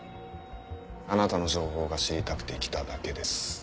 あなたの情報が知りたくて来ただけです。